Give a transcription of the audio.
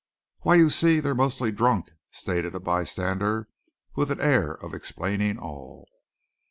"Why, you see, they's mostly drunk," stated a bystander with an air of explaining all.